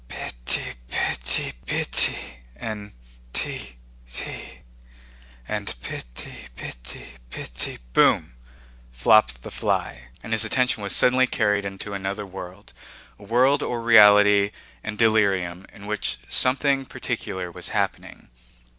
"Piti piti piti and ti ti and piti piti piti boom!" flopped the fly.... And his attention was suddenly carried into another world, a world of reality and delirium in which something particular was happening.